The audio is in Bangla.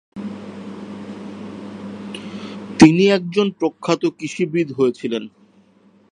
তিনি একজন প্রখ্যাত কৃষিবিদ হয়েছিলেন।